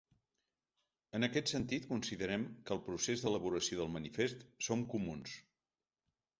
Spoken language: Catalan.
En aquest sentit considerem que el procés d’elaboració del manifest Som comuns.